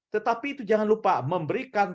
tetapi itu jangan lupa memberikan